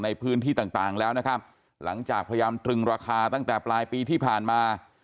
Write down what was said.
ในพื้นที่ต่างต่างแล้วนะครับหลังจากพยายามตรึงราคาตั้งแต่ปลายปีที่ผ่านมา